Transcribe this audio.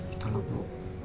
itu loh bu